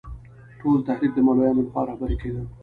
ټول تحریک د مولویانو له خوا رهبري کېده.